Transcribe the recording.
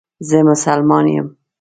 زه مسلمان یم